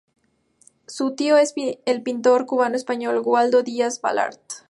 Su tío es el pintor cubano-español Waldo Díaz-Balart.